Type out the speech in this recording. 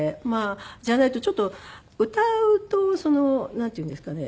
じゃないとちょっと歌うとなんていうんですかね。